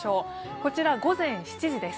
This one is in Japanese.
こちら午前７時です。